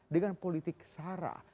dengan politik sahara